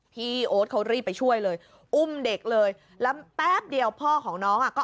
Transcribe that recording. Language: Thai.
โอ๊ตเขารีบไปช่วยเลยอุ้มเด็กเลยแล้วแป๊บเดียวพ่อของน้องอ่ะก็